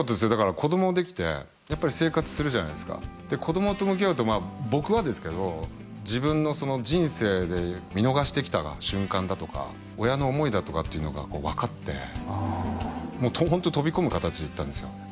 子どもできてやっぱり生活するじゃないですか子どもと向き合うと僕はですけど自分の人生で見逃してきた瞬間だとか親の思いだとかっていうのが分かってホント飛び込む形で行ったんですよ